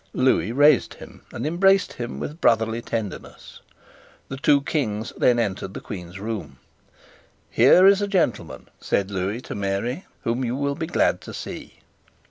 Lewis raised him, and embraced him with brotherly tenderness. The two Kings then entered the Queen's room. "Here is a gentleman," said Lewis to Mary, "whom you will be glad to see."